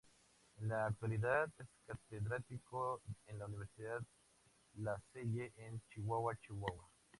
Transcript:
En la actualidad es catedrático en la Universidad La Salle en Chihuahua, Chih.